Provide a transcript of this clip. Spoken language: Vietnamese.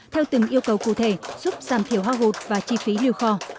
theo từng yêu cầu cụ thể giúp giảm thiểu hoa hột và chi phí lưu kho